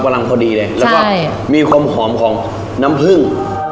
กำลังพอดีเลยแล้วก็มีความหอมของน้ำผึ้ง